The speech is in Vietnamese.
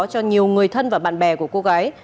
cho nhiều người thân và bạn bè của cô gái